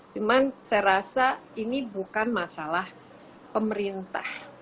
cuman saya rasa ini bukan masalah pemerintah